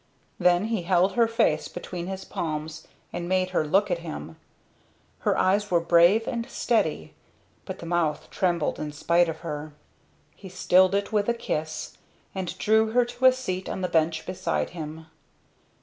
Then he held her face between his palms and made her look at him. Her eyes were brave and steady, but the mouth trembled in spite of her. He stilled it with a kiss, and drew her to a seat on the bench beside him.